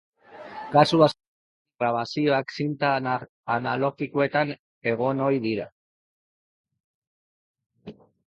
Kasu askotan, grabazioak zinta analogikoetan egon ohi dira.